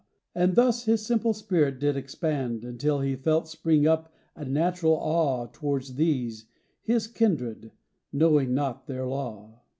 And thus his simple spirit did expand Until he felt spring up a natural awe Toward these, his kindred, knowing not their law.